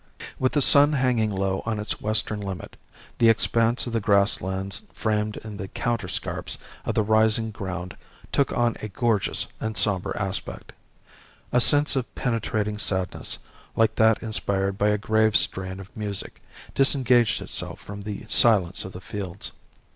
With the sun hanging low on its western limit, the expanse of the grass lands framed in the counter scarps of the rising ground took on a gorgeous and sombre aspect. A sense of penetrating sadness, like that inspired by a grave strain of music, disengaged itself from the silence of the fields.